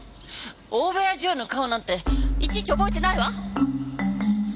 大部屋女優の顔なんていちいち覚えてないわ！